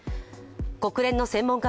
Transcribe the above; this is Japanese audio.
国連の専門家